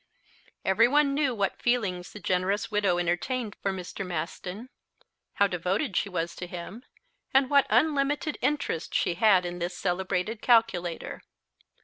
Every one knew what feelings the generous widow entertained for Mr. Maston, how devoted she was to him, and what unlimited interest she had in this celebrated calculator.